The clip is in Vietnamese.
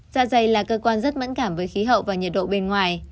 dạ dày là cơ quan rất mẫn cảm với khí hậu và nhiệt độ bên ngoài